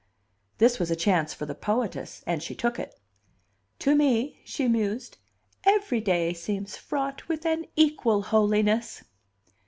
This was a chance for the poetess, and she took it. "To me," she mused, "every day seems fraught with an equal holiness."